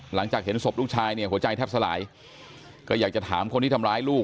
หลังจากเห็นศพลูกชายเนี่ยหัวใจแทบสลายก็อยากจะถามคนที่ทำร้ายลูก